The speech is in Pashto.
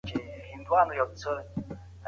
مجنون سپوږمۍ ته ګوته ونيوله او وې ويل